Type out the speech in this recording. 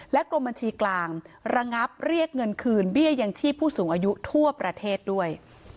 กรมบัญชีกลางระงับเรียกเงินคืนเบี้ยยังชีพผู้สูงอายุทั่วประเทศด้วย